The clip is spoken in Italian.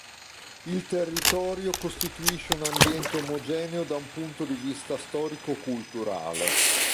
Il territorio costituisce un ambiente omogeneo da un punto di vista storico-culturale.